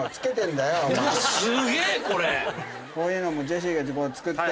こういうのもジェシーが作って。